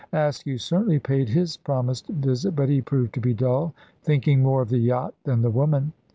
Askew certainly paid his promised visit, but he proved to be dull, thinking more of the yacht than the woman.